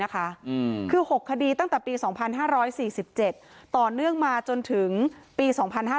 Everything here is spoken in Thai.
คือ๖คดีตั้งแต่ปี๒๕๔๗ต่อเนื่องมาจนถึงปี๒๕๕๙